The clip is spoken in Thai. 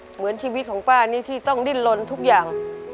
เหมือนชีวิตของป้านี่ที่ต้องดิ้นลนทุกอย่าง